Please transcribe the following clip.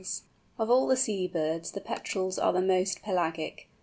_ Of all sea birds, the Petrels are the most pelagic.